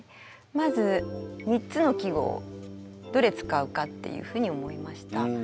まず３つの季語どれ使うかっていうふうに思いました。